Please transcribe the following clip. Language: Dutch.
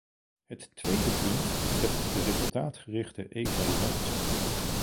Het tweede punt betreft de resultaatgerichte evaluatie.